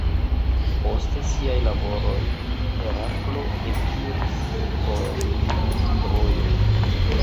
Poste siaj laboroj, Heraklo ekiris por militi Trojo.